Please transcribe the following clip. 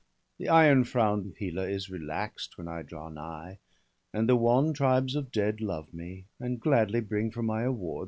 The iron frown of Hela is relax'd When I draw nigh, and the wan tribes of dead Love me, and gladly bring for my award BALDER DEAD.